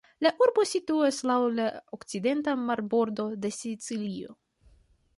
La urbo situas laŭ la okcidenta marbordo de Sicilio.